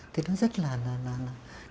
thế nó rất là đời thường nó rất là gần gũi